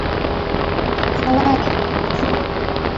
Hawai ni kuzuri